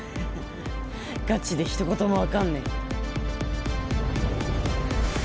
ガチで一言も分かんねえ